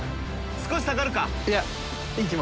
少し下がるか？